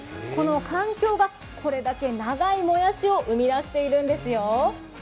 この環境がこれだけ長いもやしを生み出しているんですよ。